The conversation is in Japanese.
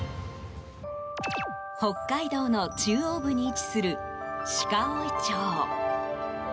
北海道の中央部に位置する鹿追町。